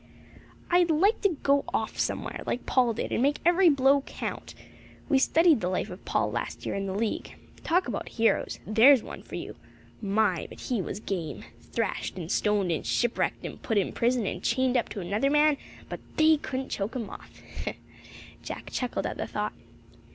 "I'd like to go off somewhere, like Paul did, and make every blow count. We studied the life of Paul last year in the League. Talk about heroes there's one for you. My, but he was game! Thrashed and stoned, and shipwrecked and put in prison, and chained up to another man but they couldn't choke him off!" Jack chuckled at the thought.